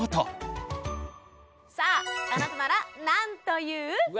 さああなたならなんと言う？